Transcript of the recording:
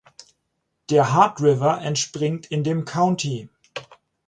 Der Heart River entspringt in dem County.